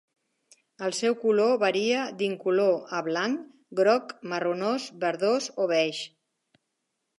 El seu color varia d'incolor a blanc, groc, marronós, verdós o beix.